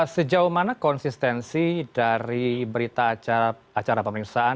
sejauh mana konsistensi dari berita acara pemeriksaan